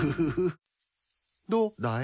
どうだい？